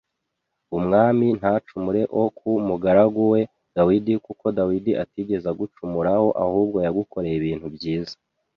umwami ntacumure o ku mugaragu we Dawidi kuko Dawidi atigeze agucumuraho ahubwo yagukoreye ibintu byiza